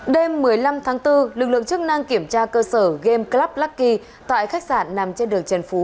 đêm một mươi năm tháng bốn lực lượng chức năng kiểm tra cơ sở game clublacky tại khách sạn nằm trên đường trần phú